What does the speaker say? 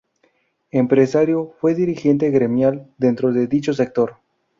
Empresario, fue dirigente gremial dentro de dicho sector.